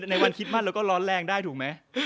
ในวันคิสมาสเราก็ร้อนแรงได้ถูกมั้ย